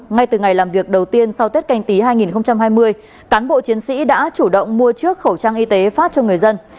ngay từ ngày làm việc đầu tiên sau tết canh tí hai nghìn hai mươi cán bộ chiến sĩ đã chủ động mua chiếc khẩu trang y tế phát cho người dân